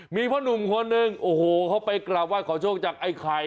มีผู้หนุ่มคนหนึ่งเขาไปกราบไหว้ขอโชคจากไอ้ไข่